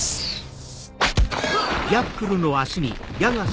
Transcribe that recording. あっ！